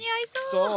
そう。